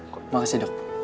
terima kasih dok